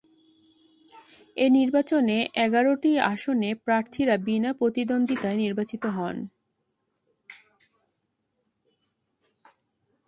এই নির্বাচনে এগারোটি আসনে প্রার্থীরা বিনা প্রতিদ্বন্দ্বিতায় নির্বাচিত হন।